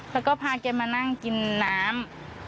แล้วก็พาแกมานั่งกินน้ำ